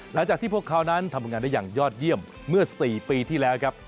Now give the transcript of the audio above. หลังจากที่พวกเขานั้นทำงานได้อย่างยอดเยี่ยมเมื่อ๔ปีที่แล้วครับ